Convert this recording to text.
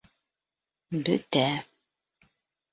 Бөтә